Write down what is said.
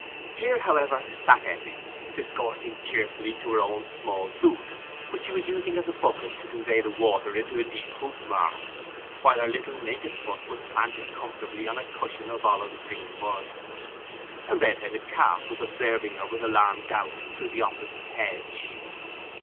Here, however, sat Eppie, discoursing cheerfully to her own small boot, which she was using as a bucket to convey the water into a deep hoof mark, while her little naked foot was planted comfortably on a cushion of olive green mud. A red headed calf was observing her with alarmed doubt through the opposite hedge.